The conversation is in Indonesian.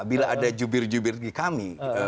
bila ada jubir jubir di kami